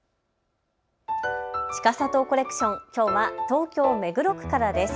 ちかさとコレクション、きょうは東京目黒区からです。